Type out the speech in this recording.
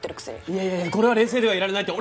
いやいやいやこれは冷静ではいられないって。